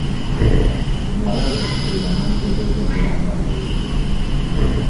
Muwala we yamukubira n'amutegeeza embeera nga bweri.